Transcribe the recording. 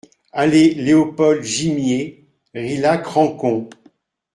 Allée Léopold Gimié, Rilhac-Rancon